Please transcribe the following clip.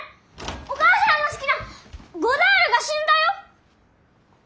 お母さんの好きなゴダールが死んだよ！